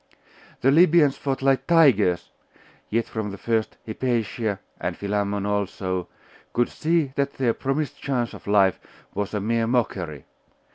The Libyans fought like tigers; yet from the first, Hypatia, and Philammon also, could see that their promised chance of life was a mere mockery.